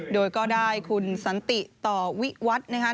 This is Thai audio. โดยก็ได้คุณสันติต่อวิวัฒน์นะคะ